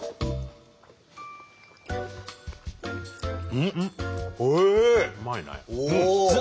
うん。